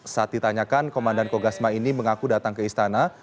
saat ditanyakan komandan kogasma ini mengaku datang ke istana